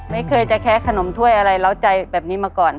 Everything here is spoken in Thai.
ไม่เคยจะแค้ขนมถ้วยอะไรเล้าใจแบบนี้มาก่อน